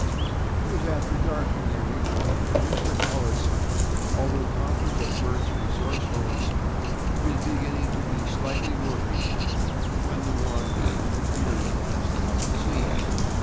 It was after dark when they reached the camp, and Mr. Hollis, although confident of Bert's resourcefulness, was beginning to be slightly worried when the wanderers appeared at last upon the scene.